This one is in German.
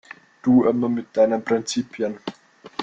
Du immer mit deinen Prinzipien!